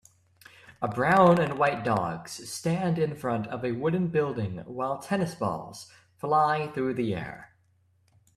A brown and white dogs stands in front of a wooden building while tennis balls fly through the air